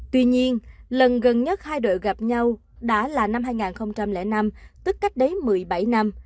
tuy nhiên lần gần nhất hai đội gặp nhau đã là năm hai nghìn năm tức cách đấy một mươi bảy năm